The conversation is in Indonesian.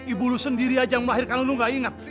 ibu lu sendiri aja yang melahirkan lu lu nggak inget